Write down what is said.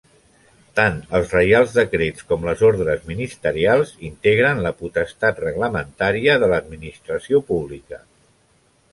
Tant els reials decrets com les ordres ministerials integren la potestat reglamentària de l'administració pública.